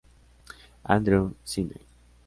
Andrew, Sydney.